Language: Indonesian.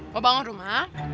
mau bangun rumah